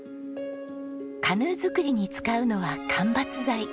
カヌー作りに使うのは間伐材。